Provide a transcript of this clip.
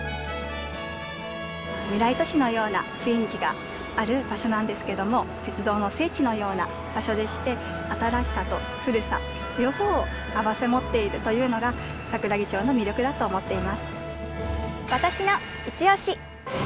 未来都市のような雰囲気がある場所なんですけども鉄道の聖地のような場所でして新しさと古さ両方を併せ持っているというのが桜木町の魅力だと思っています。